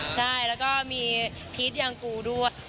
ใช่แล้วก็มีพีชอย่างกูด้วย